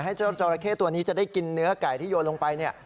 เจ้าจอราเข้ตัวนี้จะได้กินเนื้อไก่ที่โยนลงไปเนี่ย